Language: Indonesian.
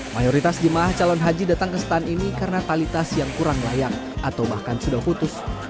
mayoritas jemaah calon haji datang ke stand ini karena tali tas yang kurang layak atau bahkan sudah putus